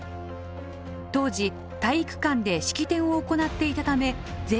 当時体育館で式典を行っていたため全員が無事でした。